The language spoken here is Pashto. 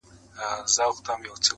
• نه یې غم وو چي یې کار د چا په ښه دی -